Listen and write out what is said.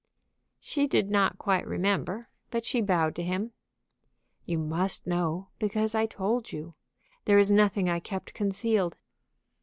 She did not quite remember, but she bowed to him. "You must know, because I told you. There is nothing I kept concealed."